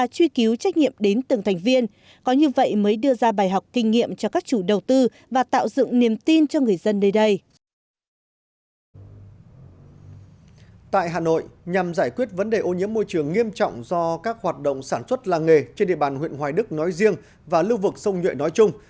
tại hà nội nhằm giải quyết vấn đề ô nhiễm môi trường nghiêm trọng do các hoạt động sản xuất làng nghề trên địa bàn huyện hoài đức nói riêng và lưu vực sông nhuệ nói chung